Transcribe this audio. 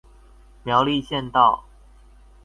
苗栗縣道